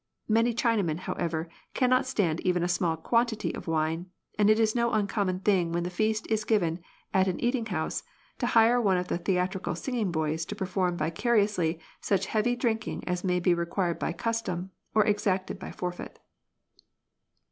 Many Chinamen, however, cannot stand even a small quantity of wine ; and it is no uncommon thing when the feast is given at an eating house, to hire one of the theatrical singing boys to perform vicariously such heavy drinking as may be required by custom or exacted by forfeit.